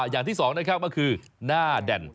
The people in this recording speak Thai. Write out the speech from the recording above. อย่างที่สองนะครับก็คือหน้าแด่น